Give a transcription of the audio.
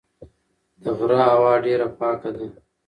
د غره هوا ډېره پاکه ده.